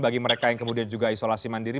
bagi mereka yang kemudian juga isolasi mandiri